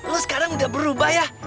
lo sekarang udah berubah ya